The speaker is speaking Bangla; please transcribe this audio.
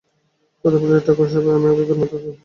সত্য বলছি, ঠাকুর-সেবায় আমি আগেকার মতো তেমন মন দিতেই পারি নে।